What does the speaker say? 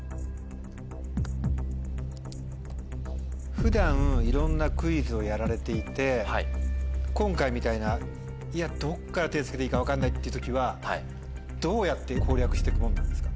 普段いろんなクイズをやられていて今回みたいなどっから手付けていいか分かんないっていう時はどうやって攻略して行くもんなんですか？